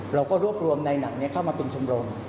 เราก็รวบรวมในหนังนี้เข้ามาเป็นชมรม